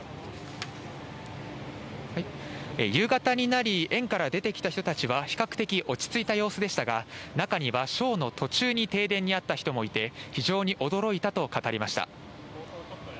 夕方になり、園から出てきた人たちは、比較的落ち着いた様子でしたが、中にはショーの途中に停電に遭った人もいて、非常に驚いたと語りました。